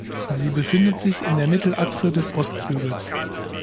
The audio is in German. Sie befindet sich in der Mittelachse des Ostflügels.